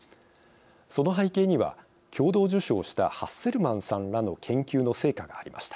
その背景には共同受賞したハッセルマンさんらの研究の成果がありました。